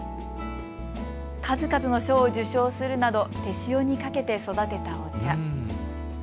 数々の賞を受賞するなど手塩にかけて育てたお茶。